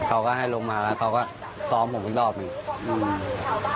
เขาก็ให้ลงมาแล้วเขาก็ซ้อมผมอีกรอบหนึ่งอืม